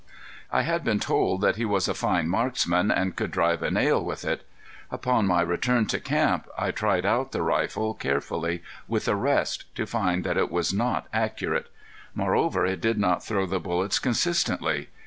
I had been told that he was a fine marksman and could drive a nail with it. Upon my return to camp I tried out the rifle, carefully, with a rest, to find that it was not accurate. Moreover it did not throw the bullets consistently.